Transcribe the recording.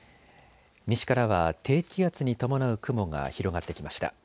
西からは低気圧に伴う雲が広がってきました。